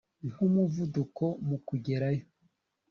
nkumuvuduko mukugerayo